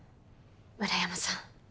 村山さん。